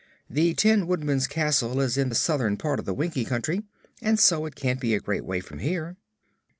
"The Tin Woodman's castle is in the southern part of the Winkie Country, and so it can't be a great way from here."